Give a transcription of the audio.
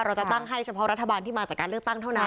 เราจะตั้งให้เฉพาะรัฐบาลที่มาจากการเลือกตั้งเท่านั้น